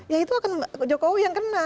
ya itu akan jokowi yang kena